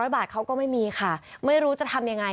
๐บาทเขาก็ไม่มีค่ะไม่รู้จะทำยังไง